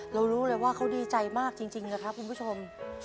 รู้เลยว่าเขาดีใจมากจริงนะครับคุณผู้ชม